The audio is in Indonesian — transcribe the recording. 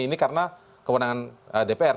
ini karena kewenangan dpr